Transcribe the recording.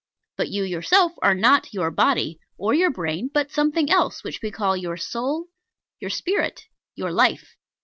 But you yourself are not your body, or your brain, but something else, which we call your soul, your spirit, your life.